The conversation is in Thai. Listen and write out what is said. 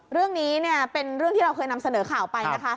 เรื่องนี้เป็นเรื่องที่เราเคยนำเสนอข่าวไปนะคะ